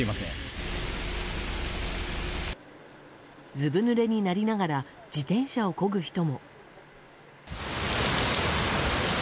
ずぶぬれになりながら自転車をこぐ人も。